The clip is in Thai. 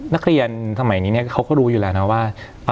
นักเรียนสมัยนี้เขาก็รู้อยู่แล้วนะว่า